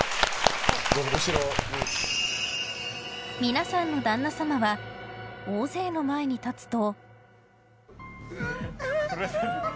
皆さんの旦那様は大勢の前に立つと。